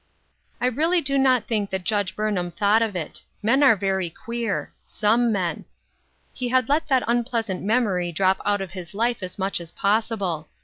I really do not think that Judge Burnham thought of it; men are very queer — some men; he had let that unpleasant memory drop out of his life as much as possible.